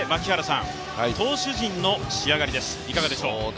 投手陣の仕上がりはいかがでしょう？